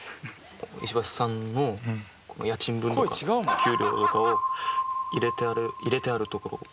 イシバシさんの家賃分とか給料とかを入れてあるところ。